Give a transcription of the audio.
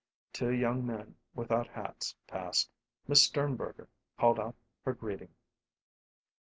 Two young men without hats passed. Miss Sternberger called out her greeting.